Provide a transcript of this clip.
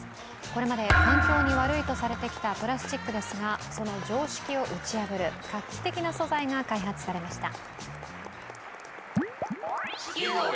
これまで環境に悪いとされてきたプラスチックですが、その常識を打ち破る画期的な素材が開発されました。